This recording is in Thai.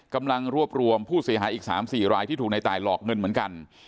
กำลังรวบรวมผู้เสียหายอีก๓๔รายที่ถูกในตายหลอกเงินเหมือนกัน